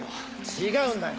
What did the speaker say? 違うんだよ。